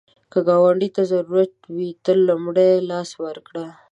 که ګاونډي ته ضرورت وي، ته لومړی لاس ورکړه